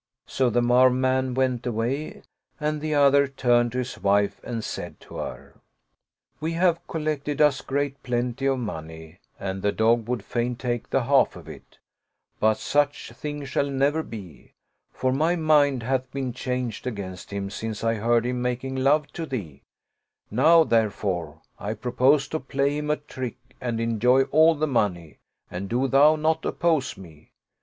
So the Marw man went away and the other turned to his wife and said to her, " We have collected us great plenty of money, and the dog would fain take the half of it ; but such thing shall never be, for my mind hath been changed against him, since I heard him making love to thee; now, there fore, I propose to play him a trick and enjoy all the money ; and do thou not oppose me."